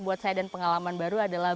buat saya dan pengalaman baru adalah